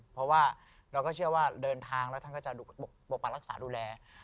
เพราะว่าเราก็เชื่อว่าเดินทางแล้วท่านก็จะปกปักรักษาดูแล